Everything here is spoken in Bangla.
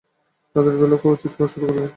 রাতের বেলাও খুব চিৎকার শুরু করলেন।